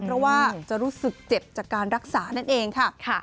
เพราะว่าจะรู้สึกเจ็บจากการรักษานั่นเองค่ะ